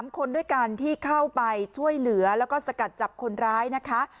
๓คนด้วยกันที่เข้าไปช่วยเหลือแล้วก็สกัดจับคนร้ายนะคะ